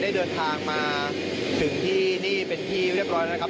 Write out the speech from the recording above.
ได้เดินทางมาถึงที่นี่เป็นที่เรียบร้อยแล้วนะครับ